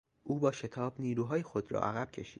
او با شتاب نیروهای خود را عقب کشید.